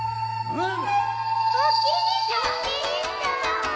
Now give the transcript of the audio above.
うん！